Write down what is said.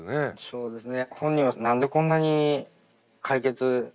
そうですね